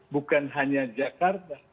bukan hanya jakarta